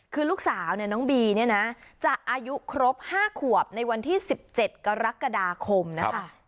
คือลูกสาวเนี่ยน้องบีเนี่ยนะจะอายุครบ๕ขวบในวันที่๑๗กรกฎาคมนะคะ